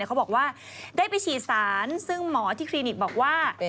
เขาบอกว่าได้ไปฉีดสารซึ่งหมอที่คลินิกบอกว่า